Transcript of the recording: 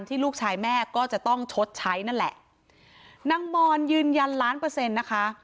ลูกชายแม่ก็จะต้องชดใช้นั่นแหละนางมอนยืนยันล้านเปอร์เซ็นต์นะคะ